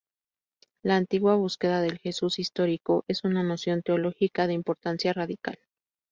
La antigua búsqueda del Jesús histórico es una noción teológica de importancia radical.